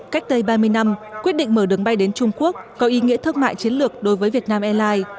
cách đây ba mươi năm quyết định mở đường bay đến trung quốc có ý nghĩa thương mại chiến lược đối với việt nam airlines